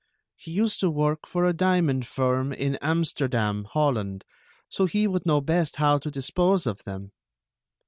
He used to work for a diamond firm in Amsterdam, Holland; so he would know best how to dispose of them."